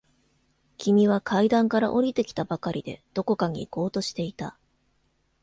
君は階段から下りてきたばかりで、どこかに行こうとしていた。